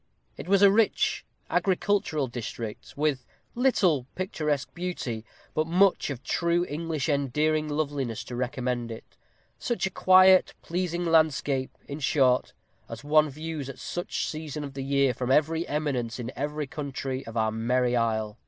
It was a rich agricultural district, with little picturesque beauty, but much of true English endearing loveliness to recommend it. Such a quiet, pleasing landscape, in short, as one views, at such a season of the year, from every eminence in every county of our merry isle.